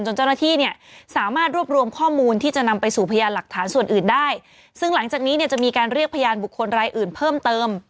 เจ้าหน้าที่เนี่ยสามารถรวบรวมข้อมูลที่จะนำไปสู่พยานหลักฐานส่วนอื่นได้ซึ่งหลังจากนี้เนี่ยจะมีการเรียกพยานบุคคลรายอื่นเพิ่มเติม